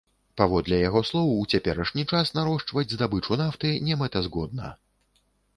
Паводле яго слоў, у цяперашні час нарошчваць здабычу нафты немэтазгодна.